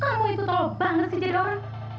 kamu itu tolong banget sih jadi orang